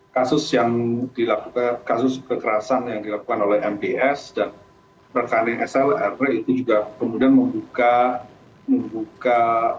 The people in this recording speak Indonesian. kasus yang dilakukan kasus kekerasan yang dilakukan oleh mbs dan rekaning slrw itu juga kemudian membuka membuka